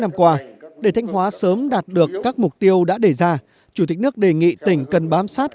năm qua để thanh hóa sớm đạt được các mục tiêu đã đề ra chủ tịch nước đề nghị tỉnh cần bám sát